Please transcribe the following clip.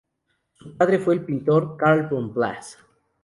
Su padre fue el pintor Karl von Blass.